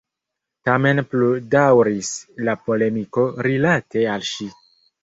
Tamen pludaŭris la polemiko rilate al ŝi.